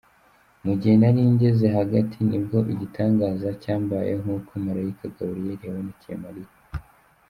Mu gihe nari ngeze hagati, nibwo igitangaza cyambayeho, nkuko Malayika Gaburiyeli yabonekeye Mariya.